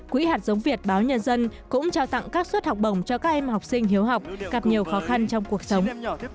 quỹ hạt giống việt báo nhân dân cũng trao tặng các suất học bổng cho các em học sinh hiếu học gặp nhiều khó khăn trong cuộc sống